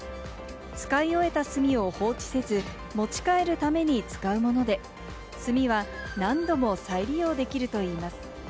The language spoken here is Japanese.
使い終えた炭を放置せず、持ち帰るために使うもので、炭は何度も再利用できるといいます。